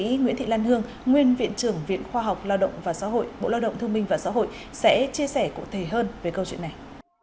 đồng chí nguyễn thị lan hương nguyên viện trưởng viện khoa học lao động và xã hội bộ lao động thương minh và xã hội sẽ chia sẻ cụ thể hơn về câu chuyện này